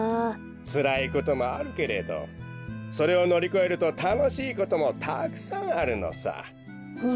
つらいこともあるけれどそれをのりこえるとたのしいこともたくさんあるのさ。